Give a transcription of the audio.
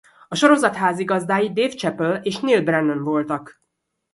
A sorozat házigazdái Dave Chapelle és Neal Brennan voltak.